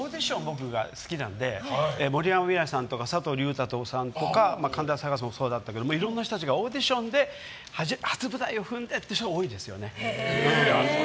僕が好きなので森山未來さんとか佐藤隆太さんとか神田沙也加さんもそうだったけどいろんな人たちがオーディションで初舞台を踏んでってって人が多いですよね。